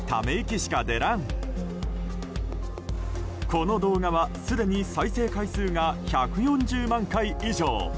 この動画は、すでに再生回数が１４０万回以上。